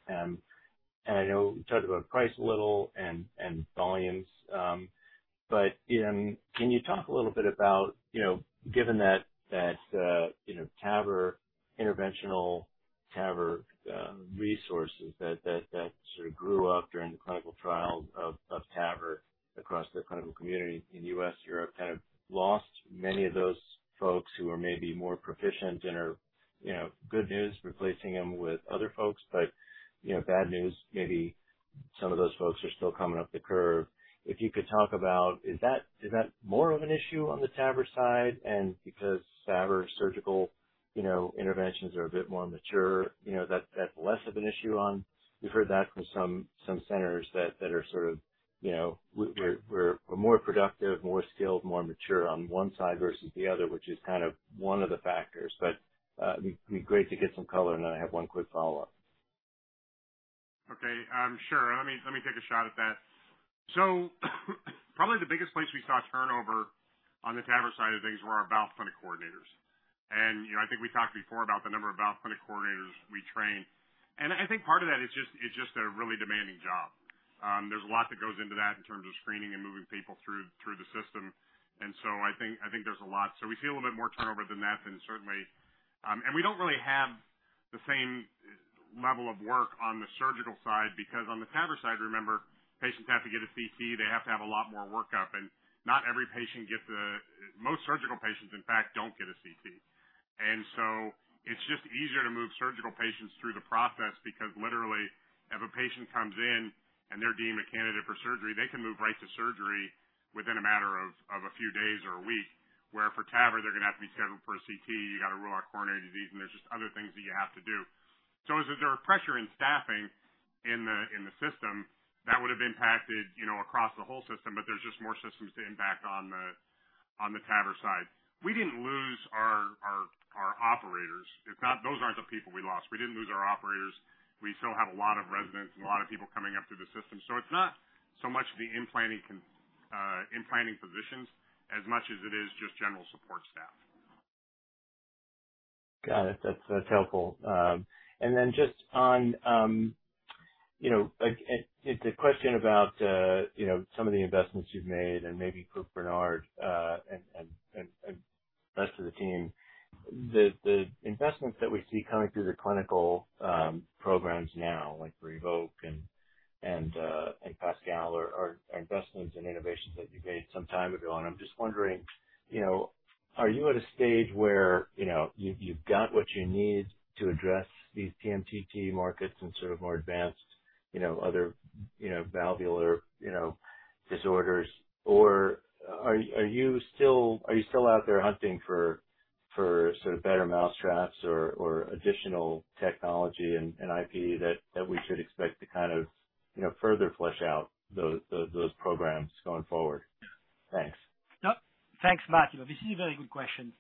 I know you talked about price a little and volumes, can you talk a little bit about, you know, given that, you know, TAVR, interventional TAVR resources that sort of grew up during the clinical trials of TAVR across the clinical community in U.S., Europe, kind of lost many of those folks who are maybe more proficient and are, you know, good news, replacing them with other folks. You know, bad news, maybe some of those folks are still coming up the curve. If you could talk about, is that more of an issue on the TAVR side? Because TAVR surgical, you know, interventions are a bit more mature, you know, that's less of an issue on. We've heard that from some centers that are sort of, you know, we're more productive, more skilled, more mature on one side versus the other, which is kind of one of the factors. It'd be great to get some color, and I have one quick follow-up. Okay, sure. Let me take a shot at that. Probably the biggest place we saw turnover on the TAVR side of things were our valve clinic coordinators. You know, I think we talked before about the number of valve clinic coordinators we train. I think part of that is just, it's just a really demanding job. There's a lot that goes into that in terms of screening and moving people through the system. I think there's a lot. We see a little bit more turnover than that than certainly. We don't really have the same level of work on the surgical side, because on the TAVR side, remember, patients have to get a CT, they have to have a lot more workup, and not every patient gets most surgical patients, in fact, don't get a CT. It's just easier to move surgical patients through the process because literally, if a patient comes in and they're deemed a candidate for surgery, they can move right to surgery within a matter of a few days or 1 week. Where for TAVR, they're going to have to be scheduled for a CT, you got to rule out coronary disease, and there's just other things that you have to do. Is it there are pressure in staffing in the system that would have impacted, you know, across the whole system, but there's just more systems to impact on the TAVR side. We didn't lose our operators. Those aren't the people we lost. We didn't lose our operators. We still have a lot of residents and a lot of people coming up through the system, so it's not so much the implanting physicians as much as it is just general support staff. Got it. That's helpful. Then just on, you know, like, it's a question about, you know, some of the investments you've made and maybe for Bernard, and rest of the team. The investments that we see coming through the clinical programs now, like EVOQUE and PASCAL, are investments and innovations that you made some time ago. I'm just wondering, you know, are you at a stage where, you know, you've got what you need to address these TMTT markets and sort of more advanced, you know, other, you know, valvular, you know, disorders? Are you still out there hunting for sort of better mousetraps or additional technology and IP that we should expect to kind of, you know, further flesh out those programs going forward? Thanks. Yeah. Thanks, Matt. You know, this is a very good question.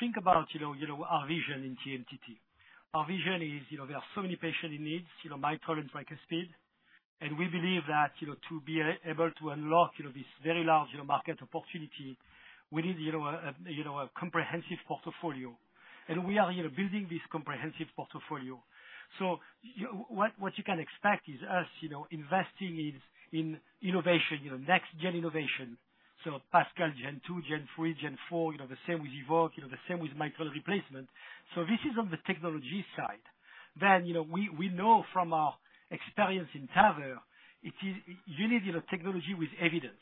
Think about, you know, our vision in TMTT. Our vision is, you know, there are so many patient in needs, you know, mitral and tricuspid.... We believe that, you know, to be able to unlock, you know, this very large, you know, market opportunity, we need, you know, a, you know, a comprehensive portfolio. We are, you know, building this comprehensive portfolio. What you can expect is us, you know, investing in innovation, you know, next-gen innovation, so PASCAL Gen 2, Gen 3, Gen 4, you know, the same with EVOQUE, you know, the same with mitral replacement. This is on the technology side. We know from our experience in TAVR, it is, you need, you know, technology with evidence.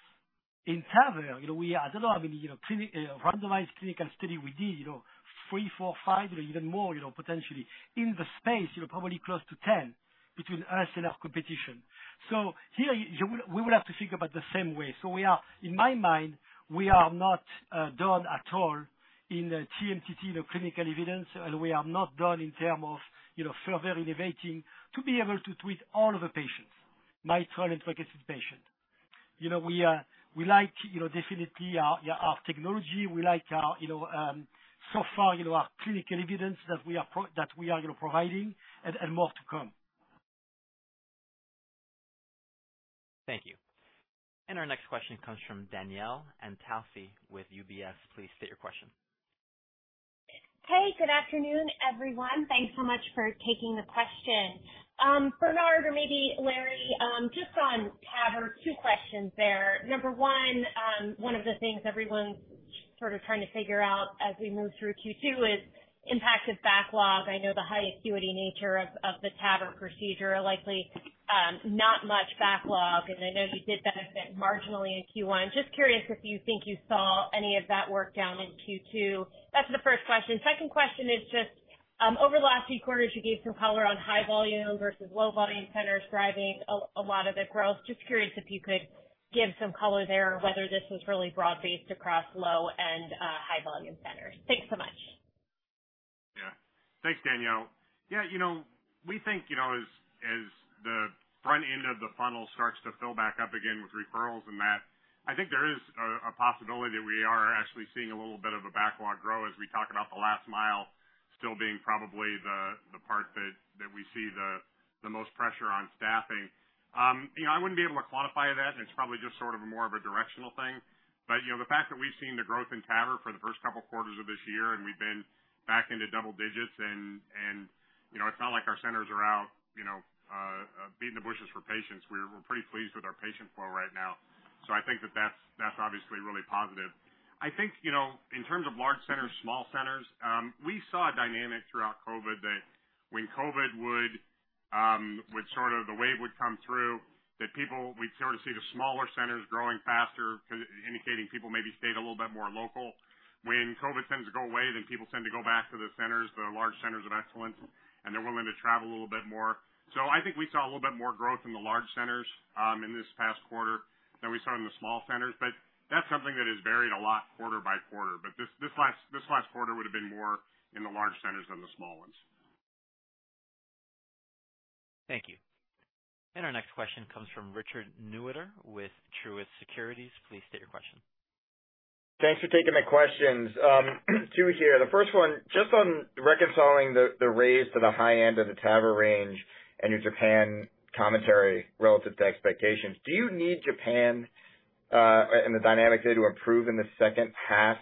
In TAVR, you know, we are, I don't know how many, you know, clinic, randomized clinical study we did, you know, 3, 4, 5, or even more, you know, potentially in the space, you know, probably close to 10 between us and our competition. Here, we will have to think about the same way. We are. In my mind, we are not done at all in the TMTT, you know, clinical evidence, and we are not done in term of, you know, further innovating to be able to treat all of the patients, mitral and tricuspid patient. We, we like, you know, definitely our technology. We like our, you know, so far, you know, our clinical evidence that we are, you know, providing, and more to come. Thank you. Our next question comes from Danielle Antalffy with UBS. Please state your question. Hey, good afternoon, everyone. Thanks so much for taking the question. Bernard, or maybe Larry, just on TAVR, 2 questions there. Number 1, one of the things everyone's sort of trying to figure out as we move through Q2 is impacted backlog. I know the high acuity nature of the TAVR procedure are likely not much backlog, and I know you did benefit marginally in Q1. Just curious if you think you saw any of that work down in Q2? That's the 1st question. 2nd question is just, over the last few quarters, you gave some color on high volume versus low volume centers driving a lot of the growth. Just curious if you could give some color there, whether this was really broad-based across low and high volume centers. Thanks so much. Yeah. Thanks, Danielle. Yeah, you know, we think, you know, as the front end of the funnel starts to fill back up again with referrals and that, I think there is a possibility that we are actually seeing a little bit of a backlog grow as we talk about the last mile still being probably the part that we see the most pressure on staffing. You know, I wouldn't be able to quantify that. It's probably just sort of more of a directional thing. You know, the fact that we've seen the growth in TAVR for the first couple quarters of this year, and we've been back into double digits, you know, it's not like our centers are out, you know, beating the bushes for patients. We're pretty pleased with our patient flow right now. I think that that's obviously really positive. I think, you know, in terms of large centers, small centers, we saw a dynamic throughout COVID, that when COVID would sort of, the wave would come through, that we'd sort of see the smaller centers growing faster, indicating people maybe stayed a little bit more local. When COVID tends to go away, people tend to go back to the centers, the large centers of excellence, and they're willing to travel a little bit more. I think we saw a little bit more growth in the large centers, in this past quarter than we saw in the small centers, but that's something that has varied a lot quarter by quarter. This last quarter would've been more in the large centers than the small ones. Thank you. Our next question comes from Richard Newitter with Truist Securities. Please state your question. Thanks for taking the questions. Two here. The first one, just on reconciling the raise to the high end of the TAVR range and your Japan commentary relative to expectations. Do you need Japan and the dynamic there to improve in the second half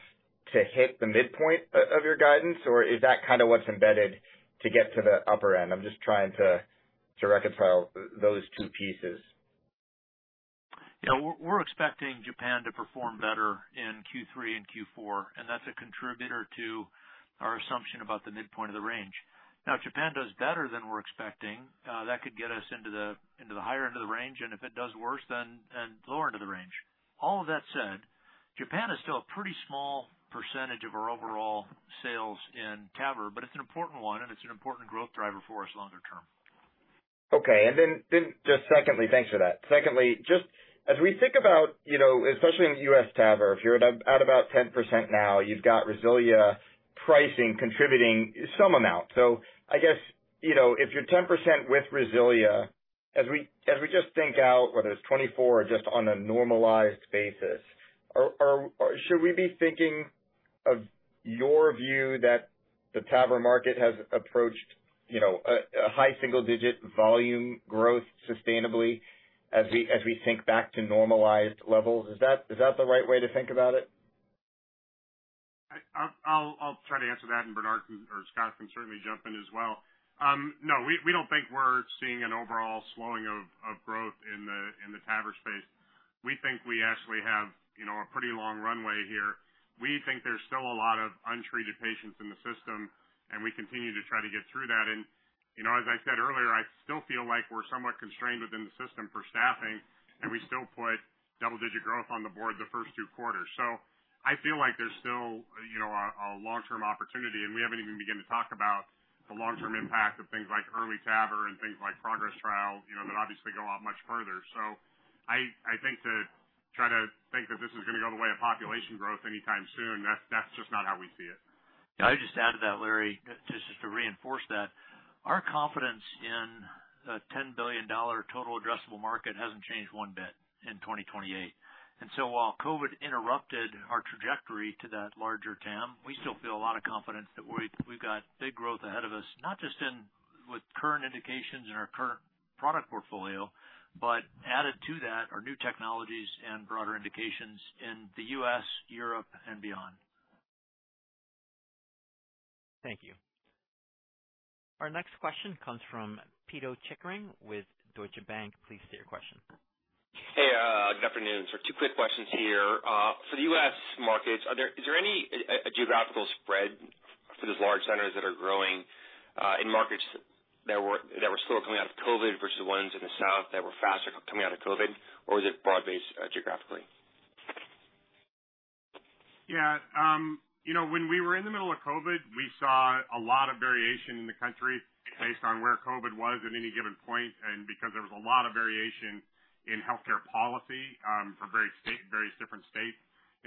to hit the midpoint of your guidance, or is that kind of what's embedded to get to the upper end? I'm just trying to reconcile those two pieces. Yeah. We're expecting Japan to perform better in Q3 and Q4, and that's a contributor to our assumption about the midpoint of the range. If Japan does better than we're expecting, that could get us into the higher end of the range, and if it does worse, then lower end of the range. All of that said, Japan is still a pretty small percentage of our overall sales in TAVR, but it's an important one, and it's an important growth driver for us longer term. Okay. Just secondly. Thanks for that. Secondly, just as we think about, you know, especially in the U.S. TAVR, if you're at about 10% now, you've got RESILIA pricing contributing some amount. I guess, you know, if you're 10% with RESILIA, as we, as we just think out, whether it's 2024 or just on a normalized basis, should we be thinking of your view that the TAVR market has approached, you know, a high single-digit volume growth sustainably as we, as we think back to normalized levels? Is that the right way to think about it? I'll try to answer that, and Bernard can, or Scott can certainly jump in as well. No, we don't think we're seeing an overall slowing of growth in the TAVR space. We think we actually have, you know, a pretty long runway here. We think there's still a lot of untreated patients in the system, and we continue to try to get through that. You know, as I said earlier, I still feel like we're somewhat constrained within the system for staffing, and we still put double-digit growth on the board the first 2 quarters. I feel like there's still, you know, a long-term opportunity, and we haven't even begun to talk about the long-term impact of things like early TAVR and things like PROGRESS trial, you know, that obviously go out much further. I think to try to think that this is gonna go the way of population growth anytime soon, that's just not how we see it. Yeah, I'd just add to that, Larry, just to reinforce that. Our confidence in a $10 billion total addressable market hasn't changed one bit in 2028. While COVID interrupted our trajectory to that larger TAM, we still feel a lot of confidence that we've got big growth ahead of us, not just in-... with current indications in our current product portfolio, but added to that are new technologies and broader indications in the U.S., Europe, and beyond. Thank you. Our next question comes from Pito Chickering with Deutsche Bank. Please state your question. Hey, good afternoon. Two quick questions here. For the U.S. markets, is there any geographical spread for those large centers that are growing in markets that were still coming out of COVID versus the ones in the south that were faster coming out of COVID? Or is it broad-based geographically? Yeah, you know, when we were in the middle of COVID, we saw a lot of variation in the country based on where COVID was at any given point. Because there was a lot of variation in healthcare policy for various different states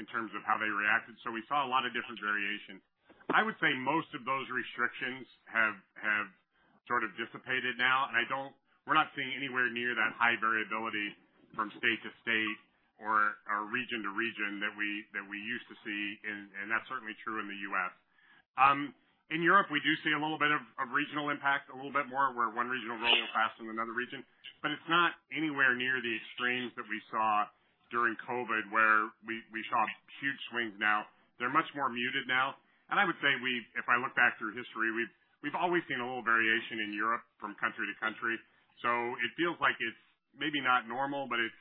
in terms of how they reacted. We saw a lot of different variation. I would say most of those restrictions have sort of dissipated now, and we're not seeing anywhere near that high variability from state to state or region to region that we used to see, and that's certainly true in the U.S. In Europe, we do see a little bit of regional impact, a little bit more, where one region is growing faster than another region, but it's not anywhere near the extremes that we saw during COVID, where we saw huge swings now. They're much more muted now. I would say if I look back through history, we've always seen a little variation in Europe from country to country, so it feels like it's maybe not normal, but it's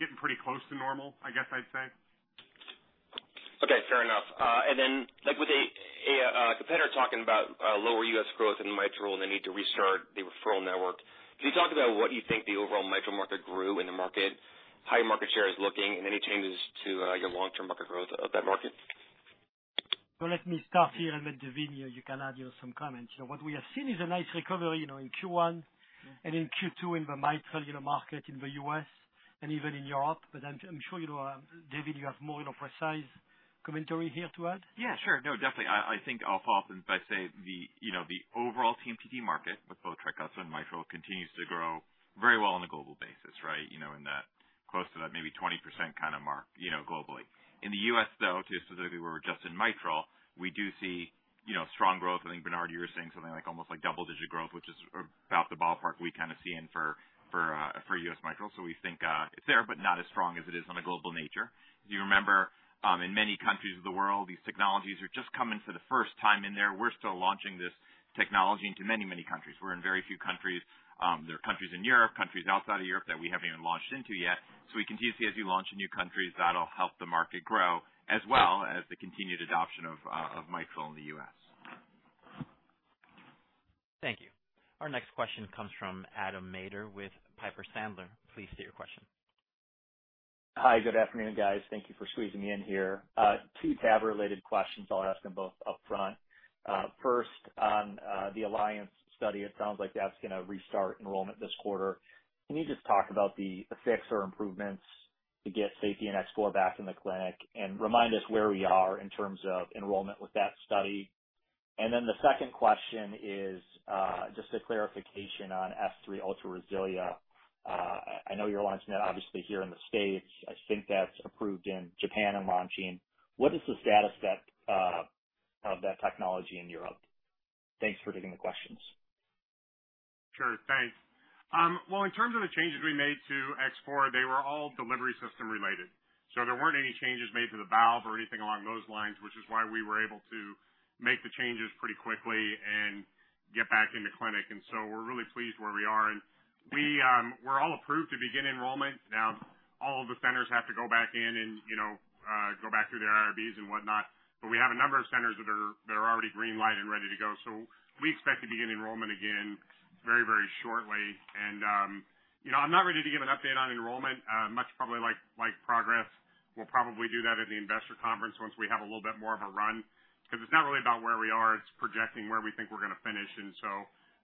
getting pretty close to normal, I guess I'd say. Okay, fair enough. Like, with a competitor talking about lower U.S. growth in mitral and the need to restart the referral network, can you talk about what you think the overall mitral market grew in the market? How your market share is looking, and any changes to your long-term market growth of that market? Let me start here, and then, Daveen Chopra, you can add your some comments. You know, what we have seen is a nice recovery, you know, in Q1 and in Q2, in the mitral, you know, market in the U.S. and even in Europe. I'm sure you know, Daveen Chopra, you have more, you know, precise commentary here to add. Yeah, sure. No, definitely. I think I'll follow up if I say, you know, the overall TMTT market with both tricuspid and mitral continues to grow very well on a global basis, right? You know, in that, close to that maybe 20% kinda mark, you know, globally. In the U.S., though, specifically where we're just in mitral, we do see, you know, strong growth. I think, Bernard, you were saying something like, almost like double-digit growth, which is about the ballpark we're kind of seeing for U.S. mitral. We think it's there, but not as strong as it is on a global nature. If you remember, in many countries of the world, these technologies are just coming for the first time in there. We're still launching this technology into many, many countries. We're in very few countries. There are countries in Europe, countries outside of Europe that we haven't even launched into yet. We continue to see as we launch in new countries, that'll help the market grow, as well as the continued adoption of mitral in the U.S. Thank you. Our next question comes from Adam Maeder with Piper Sandler. Please state your question. Hi, good afternoon, guys. Thank you for squeezing me in here. Two TAVR-related questions, I'll ask them both upfront. First, on the ALLIANCE study, it sounds like that's gonna restart enrollment this quarter. Can you just talk about the effects or improvements to get safety and X4 back in the clinic and remind us where we are in terms of enrollment with that study? The second question is just a clarification on S3 Ultra RESILIA. I know you're launching that obviously here in the States. I think that's approved in Japan and launching. What is the status that of that technology in Europe? Thanks for taking the questions. Sure, thanks. Well, in terms of the changes we made to X4, they were all delivery system related, so there weren't any changes made to the valve or anything along those lines, which is why we were able to make the changes pretty quickly and get back in the clinic. We're really pleased where we are, and we're all approved to begin enrollment. Now, all of the centers have to go back in and, you know, go back through their IRBs and whatnot, but we have a number of centers that are already green-light and ready to go. We expect to begin enrollment again very, very shortly. You know, I'm not ready to give an update on enrollment much probably like PROGRESS. We'll probably do that at the investor conference once we have a little bit more of a run, because it's not really about where we are, it's projecting where we think we're gonna finish.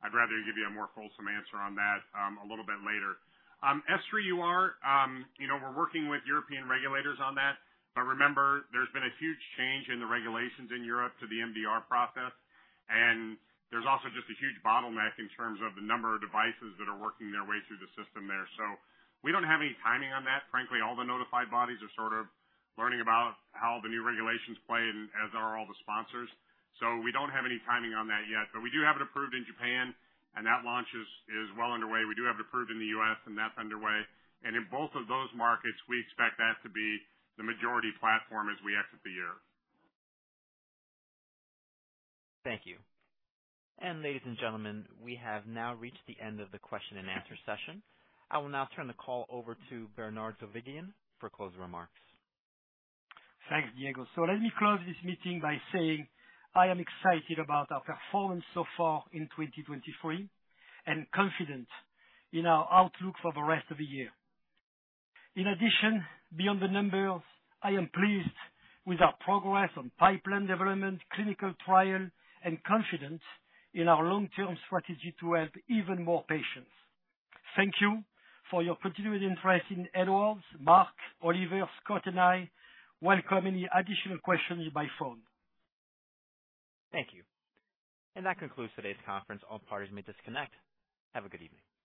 I'd rather give you a more fulsome answer on that, a little bit later. S3 UR, you know, we're working with European regulators on that, but remember, there's been a huge change in the regulations in Europe to the MDR process. There's also just a huge bottleneck in terms of the number of devices that are working their way through the system there. We don't have any timing on that. Frankly, all the notified bodies are sort of learning about how the new regulations play and as are all the sponsors. We don't have any timing on that yet, but we do have it approved in Japan, and that launch is well underway. We do have it approved in the U.S., and that's underway. In both of those markets, we expect that to be the majority platform as we exit the year. Thank you. Ladies and gentlemen, we have now reached the end of the question and answer session. I will now turn the call over to Bernard Zovighian for closing remarks. Thanks, Diego. Let me close this meeting by saying I am excited about our performance so far in 2023 and confident in our outlook for the rest of the year. In addition, beyond the numbers, I am pleased with our progress on pipeline development, clinical trial, and confident in our long-term strategy to help even more patients. Thank you for your continued interest in Edwards, Mark, Oliver, Scott, and I welcome any additional questions by phone. Thank you. That concludes today's conference. All parties may disconnect. Have a good evening.